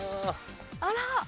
あら！